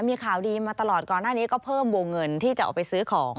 มีข่าวดีมาตลอดก่อนหน้านี้ก็เพิ่มวงเงินที่จะเอาไปซื้อของ